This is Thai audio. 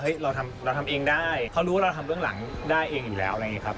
เราทำเองได้เขารู้ว่าเราทำเบื้องหลังได้เองอยู่แล้วอะไรอย่างนี้ครับ